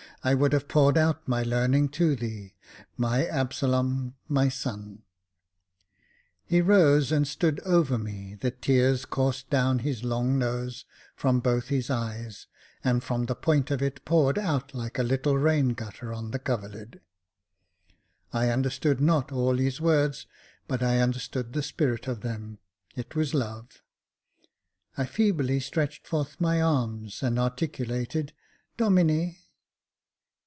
I would have poured out my learning to thee, my Absalom, my son !" He rose, and stood over me ; the tears coursed down his long nose from both his eyes, and from the point of it poured out like a little rain gutter upon the coverlid. I understood not all his words, but I understood the spirit of them — it was love. I feebly stretched forth my arms, and articulated "Domine!"